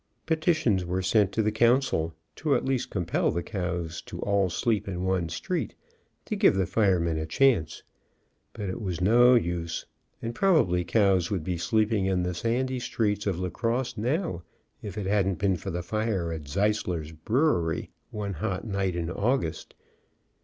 Petitions were sent to the HOW THE FIREMAN FELL OVER A COW 199 council to at least compel the cows to all sleep in one street, to give the firemen a chance, but it was no use, and probably cows would be sleeping in the sandy streets of La Crosse now if it hadn't been for the fire at Zeisler's brewery, one hot night in August.